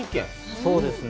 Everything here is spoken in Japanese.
そうですね。